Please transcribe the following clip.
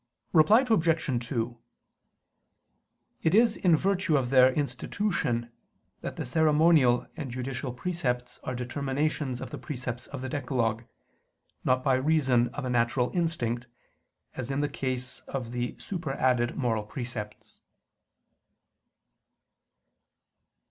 Reply Obj. 2: It is in virtue of their institution that the ceremonial and judicial precepts are determinations of the precepts of the decalogue, not by reason of a natural instinct, as in the case of the superadded moral precepts.